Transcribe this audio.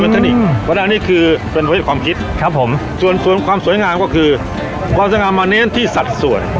เพราะฉะนั้นอันนี้คือเป็นความคิดครับผมส่วนความสวยงามก็คือความสวยงามมาเน้นที่สัดส่วน